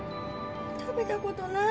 食べたことない。